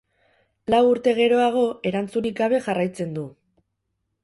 Lau urte geroago, erantzunik gabe jarraitzen du.